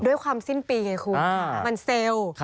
ด้วยความสิ้นปีไงคุณมันเซลล์